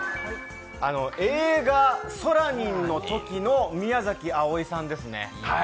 映画「ソラニン」のときの宮崎あおいさんですね。